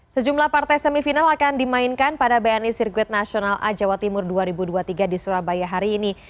sejumlah partai semifinal akan dimainkan pada bni sirkuit nasional a jawa timur dua ribu dua puluh tiga di surabaya hari ini